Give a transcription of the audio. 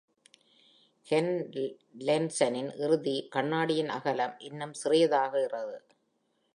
Kerr லென்ஸுடன் இறுதி கண்ணாடியின் அகலம் இன்னும் சிறியதாகிறது.